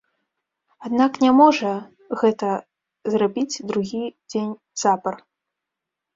Аднак, не можа гэта зрабіць другі дзень запар.